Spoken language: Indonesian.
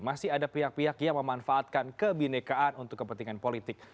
masih ada pihak pihak yang memanfaatkan kebinekaan untuk kepentingan politik